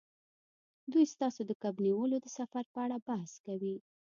دوی ستاسو د کب نیولو د سفر په اړه بحث کوي